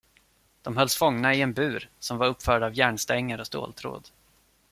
De hölls fångna i en bur, som var uppförd av järnstänger och ståltråd.